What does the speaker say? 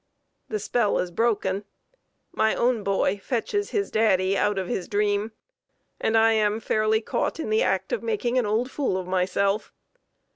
The spell is broken; my own boy fetches his daddy out of his dream, and I am fairly caught in the act of making an old fool of myself.